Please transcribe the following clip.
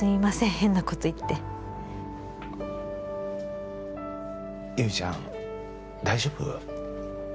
変なこと言って悠依ちゃん大丈夫？